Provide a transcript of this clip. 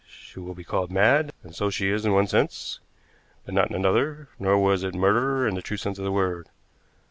She will be called mad, and so she is in one sense, but not in another; nor was it murder in the true sense of the word.